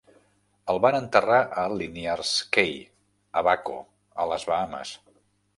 El van enterrar a Linyards Cay, Abaco, a les Bahames.